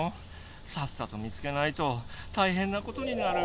さっさと見つけないと大変なことになる。